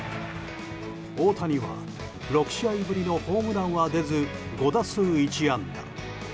大谷は６試合ぶりのホームランは出ず５打数１安打。